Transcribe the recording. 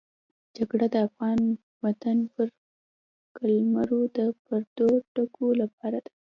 جګړه د افغان وطن پر قلمرو د پردو ګټو لپاره ده.